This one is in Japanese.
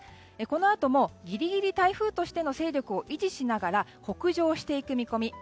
このあとも、ギリギリ台風としての勢力を維持しながら北上していく見込み。